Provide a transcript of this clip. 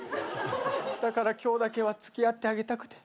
だから今日だけは付き合ってあげたくて。